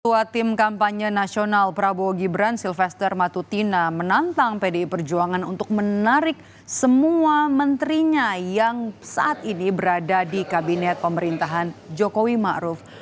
ketua tim kampanye nasional prabowo gibran sylvester matutina menantang pdi perjuangan untuk menarik semua menterinya yang saat ini berada di kabinet pemerintahan jokowi ⁇ maruf ⁇